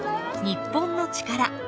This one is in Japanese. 『日本のチカラ』。